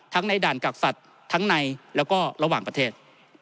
ในด่านกักสัตว์ทั้งในแล้วก็ระหว่างประเทศ